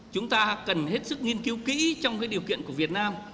chúng ta cần hết sức nghiên cứu kỹ trong điều kiện của việt nam